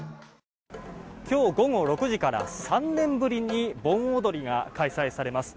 今日午後６時から３年ぶりに盆踊りが開催されます。